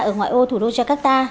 ở ngoại ô thủ đô jakarta